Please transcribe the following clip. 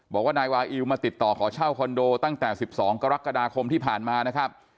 บอกว่านายวาอิวมาติดต่อขอเช่าคอนโดตั้งแต่๑๒กรกฎาคมที่ผ่านมานะครับ